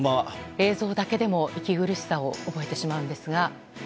映像だけでも息苦しさを覚えてしまうんですが。